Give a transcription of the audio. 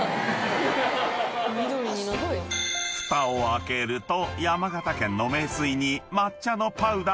［ふたを開けると山形県の名水に］